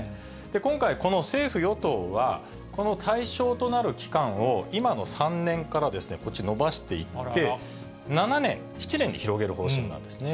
今回、この政府・与党は、この対象となる期間を、今の３年から、こっち、延ばしていって、７年に広げる方針なんですね。